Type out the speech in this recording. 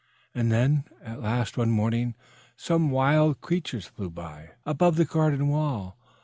And then at last one morning some Wind Creatures flew by, above the garden wall!